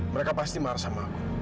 mereka pasti marah sama aku